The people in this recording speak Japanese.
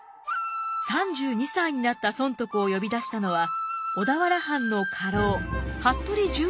３２歳になった尊徳を呼び出したのは小田原藩の家老服部十郎兵衛。